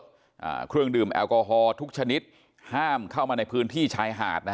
อ่าเครื่องดื่มแอลกอฮอลทุกชนิดห้ามเข้ามาในพื้นที่ชายหาดนะฮะ